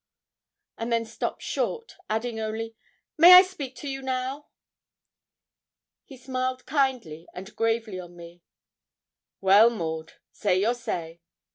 and then stopped short, adding only, 'may I speak to you now?' He smiled kindly and gravely on me. 'Well, Maud, say your say.'